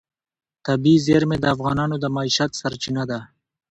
طبیعي زیرمې د افغانانو د معیشت سرچینه ده.